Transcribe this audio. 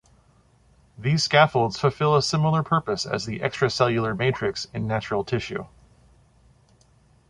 These scaffolds fulfill a similar purpose as the extracellular matrix in natural tissue.